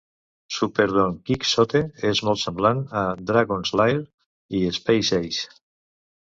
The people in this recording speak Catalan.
"Super Don Quix-ote" és molt semblant a "Dragon's Lair" i "Space Ace".